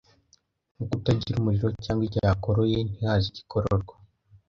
Nko kutagira umuriro, cg igihe akoroye ntihaze igikororwa